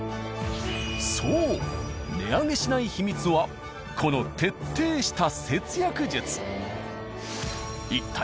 そう値上げしない秘密はこの徹底した節約術。